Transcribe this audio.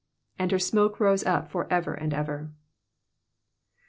And her smuke rose up for ever and ever."